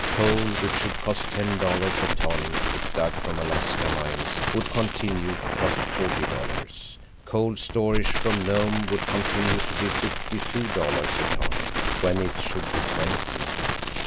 Coal, which should cost ten dollars a ton if dug from Alaskan mines, would continue to cost forty dollars; cold storage from Nome would continue to be fifty two dollars a ton, when it should be twenty.